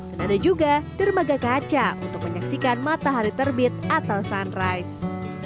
dan ada juga dermaga kaca untuk menyaksikan matahari terbit atau sunset